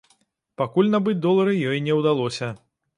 Пакуль набыць долары ёй не ўдалося.